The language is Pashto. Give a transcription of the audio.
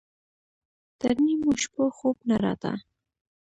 تر نيمو شپو خوب نه راته.